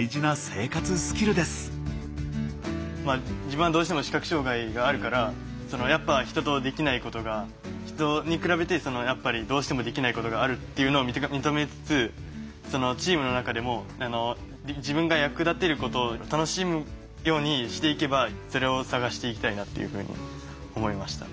自分はどうしても視覚障害があるからやっぱ人とできないことが人に比べてやっぱりどうしてもできないことがあるっていうのを認めつつチームの中でも自分が役立てること楽しむようにしていけばそれを探していきたいなっていうふうに思いました。